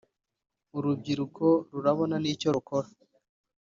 urubyiruko rurabona icyo rukora